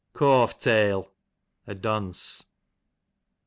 Cawfe tail, a dunce.